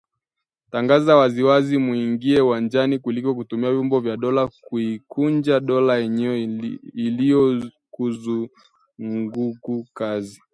Tangaza waziwazi muingie uwanjani kuliko kutumia vyombo vya dola kuipunja dola yenyewe iliyokuruzuku kazi